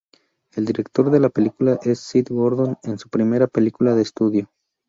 El director de la película es Seth Gordon en su primera película de estudio.